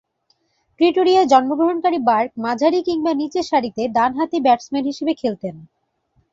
প্রিটোরিয়ায় জন্মগ্রহণকারী বার্ক মাঝারি কিংবা নিচের সারিতে ডানহাতি ব্যাটসম্যান হিসেবে খেলতেন।